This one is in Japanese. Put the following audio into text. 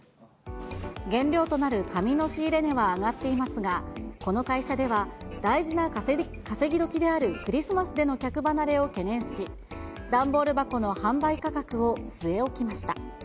原料となる紙の仕入れ値は上がっていますが、この会社では、大事な稼ぎどきであるクリスマスでの客離れを懸念し、段ボール箱の販売価格を据え置きました。